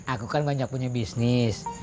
aku kan banyak punya bisnis